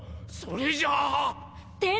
それじゃあッ！